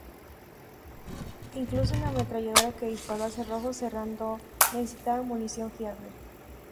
Incluso una ametralladora que dispara a cerrojo cerrado necesitaba munición fiable.